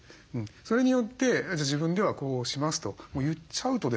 それによって「自分ではこうします」と言っちゃうとですね